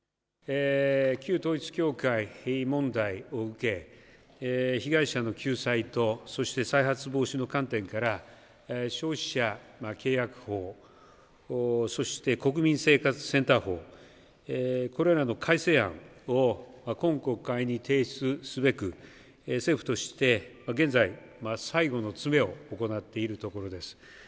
旧統一教会問題を受け、被害者の救済と、そして再発防止の観点から、消費者契約法、そして国民生活センター法、これらの改正案を今国会に提出すべく、政府として現在、最後の詰めを行っているところです。